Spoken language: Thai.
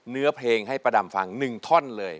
เนื้อเพลงให้ป้าดำฟัง๑ท่อนเลย